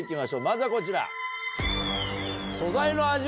まずはこちら。